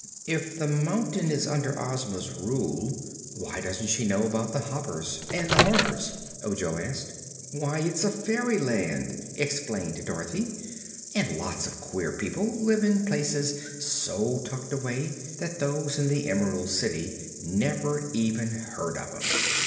"If the mountain is under Ozma's rule, why doesn't she know about the Hoppers and the Horners?" Ojo asked. "Why, it's a fairyland," explained Dorothy, "and lots of queer people live in places so tucked away that those in the Emerald City never even hear of 'em.